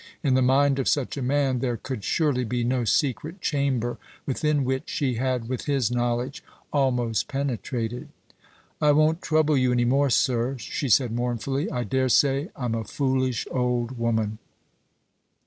In the mind of such a man there could surely be no secret chamber within which she had, with his knowledge, almost penetrated. "I won't trouble you any more, sir," she said mournfully. "I dare say I'm a foolish old woman."